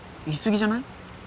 言いすぎじゃない？